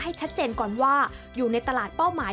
ชัดเจนก่อนว่าอยู่ในตลาดเป้าหมาย